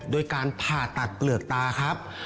โดยการผ่าตัดเปลือกตาครับ